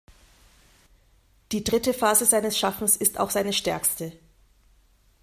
Die dritte Phase seines Schaffens ist auch seine stärkste.